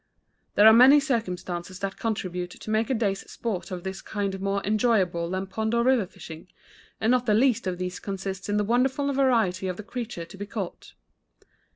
There are many circumstances that contribute to make a day's sport of this kind more enjoyable than pond or river fishing, and not the least of these consists in the wonderful variety of the creatures to be caught.